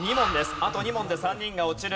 あと２問で３人が落ちる。